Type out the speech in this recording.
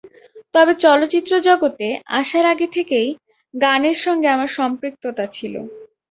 তবে চলচ্চিত্র জগতে আসার আগে থেকেই গানের সঙ্গে আমার সম্পৃক্ততা ছিল।